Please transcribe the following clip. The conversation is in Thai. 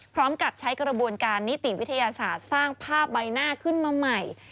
พร้อมกับใช้กระบวนการนิติวิทยาศาสตร์สร้างภาพใบหน้าขึ้นมาใหม่